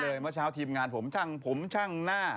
เมื่อเช้าทีมงานผมช่างผมช่างหน้า